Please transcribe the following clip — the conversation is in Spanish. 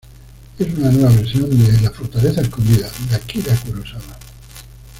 Es una nueva versión de "La fortaleza escondida" de Akira Kurosawa.